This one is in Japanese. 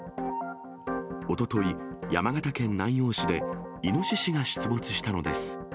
おととい、山形県南陽市で、イノシシが出没したのです。